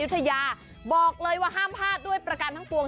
ทยาบอกเลยว่าห้ามพลาดด้วยประกันทั้งปวง